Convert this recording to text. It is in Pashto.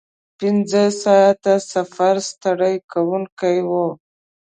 پنځه ساعته سفر ستړی کوونکی و.